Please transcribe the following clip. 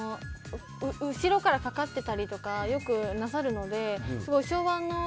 後ろからかかってたりとかよくなさるので。